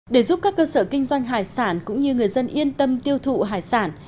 để giúp các cơ sở kinh doanh hải sản cũng như người dân yên tâm tiêu thụ hải sản